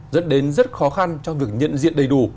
dẫn đến rất khó khăn trong việc nhận diện đầy đủ